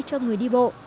cho người đi bộ